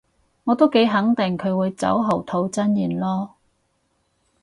我都幾肯定佢會酒後吐真言囉